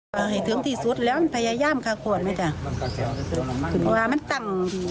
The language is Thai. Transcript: เรื่องที่ดินครับ